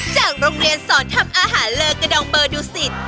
จากโรงเรียนสอนทำอาหารเลอกระดองเบอร์ดูสิต